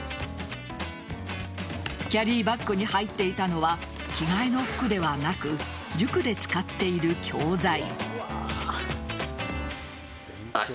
キャリーバッグに入っていたのは着替えの服ではなく塾で使っている教材。